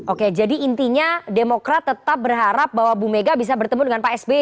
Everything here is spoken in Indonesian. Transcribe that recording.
oke jadi intinya demokrat tetap berharap bahwa bumega bisa bertemu dengan pak sb